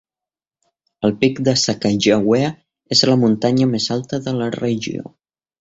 El pic de Sacajawea és la muntanya més alta de la regió.